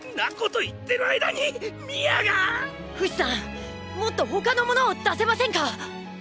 フシさんもっと他のものを出せませんか？